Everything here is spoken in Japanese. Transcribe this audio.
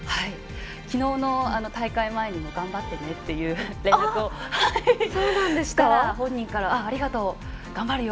昨日の大会前にも頑張ってねという連絡をしたら本人から、ありがとう頑張るよ！